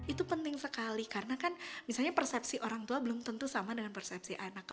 itu penting sekali karena kan misalnya persepsi orang tua belum tentu sama dengan persepsi anak